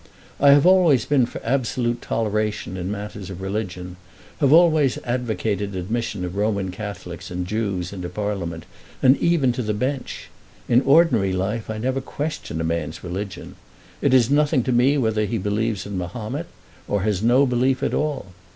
"I have always been for absolute toleration in matters of religion, have always advocated admission of Roman Catholics and Jews into Parliament, and even to the Bench. In ordinary life I never question a man's religion. It is nothing to me whether he believes in Mahomet, or has no belief at all.